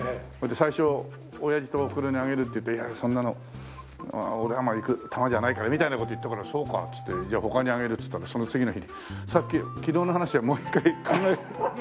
最初親父とおふくろにあげるって言ったらいやいやそんなの俺は行くタマじゃないからみたいな事言ったからそうかって言ってじゃあ他にあげるって言ったらその次の日に昨日の話はもう一回考える。